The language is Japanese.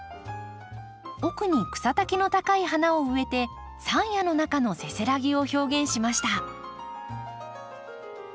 奥に草丈の高い花を植えて山野の中のせせらぎを表現しました。